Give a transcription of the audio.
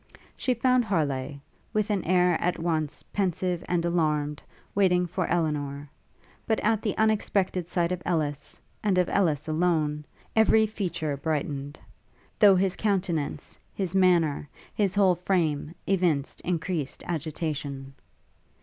She found Harleigh, with an air at once pensive and alarmed, waiting for Elinor; but at the unexpected sight of Ellis, and of Ellis alone, every feature brightened; though his countenance, his manner, his whole frame, evinced increased agitation.